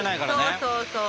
そうそうそう。